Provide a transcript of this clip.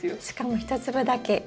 しかも１粒だけ。